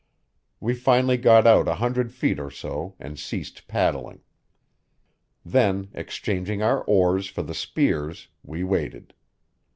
We finally got out a hundred feet or so and ceased paddling. Then, exchanging our oars for the spears, we waited.